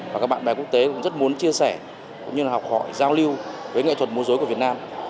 và các bạn bè quốc tế cũng rất muốn chia sẻ cũng như là học hỏi giao lưu với nghệ thuật mô dối của việt nam